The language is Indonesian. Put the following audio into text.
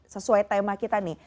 sesuai tema kita nih